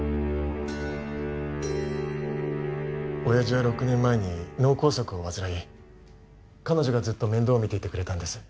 親父は６年前に脳梗塞を患い彼女がずっと面倒を見ていてくれたんです